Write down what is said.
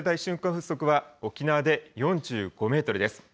風速は沖縄で４５メートルです。